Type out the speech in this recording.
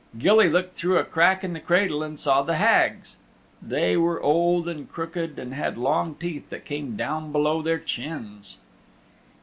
Gilly looked through a crack in the cradle and saw the Hags they were old and crooked and had long teeth that came down below their chins.